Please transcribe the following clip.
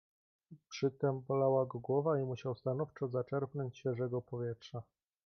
"Przytem bolała go głowa i musiał stanowczo zaczerpnąć świeżego powietrza."